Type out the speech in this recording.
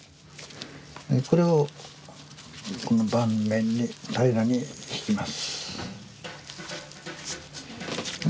これをこの盤面に平らにひきます。